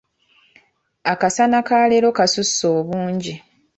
Akasana ka leero kasusse obungi.